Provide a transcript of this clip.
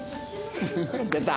出た。